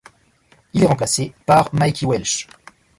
Il est remplacé par Mikey Welsh.